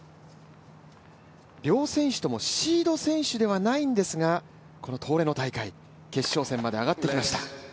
両選手ともシード選手ではないんですが、この東レの大会決勝戦まで上がってきました。